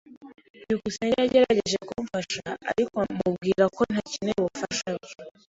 byukusenge yagerageje kumfasha, ariko mubwira ko ntakeneye ubufasha bwe.